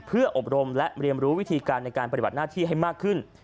เพื่ออบรมและเรียนรู้วิธีการในการปฏิบัติหน้าที่ให้มากขึ้น